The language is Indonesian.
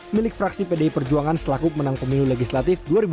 milik fraksi pdi perjuangan selaku pimpinan